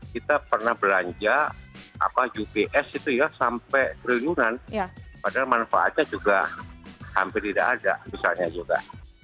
kita pernah belanja ups itu ya sampai triliunan padahal manfaatnya juga hampir tidak ada misalnya juga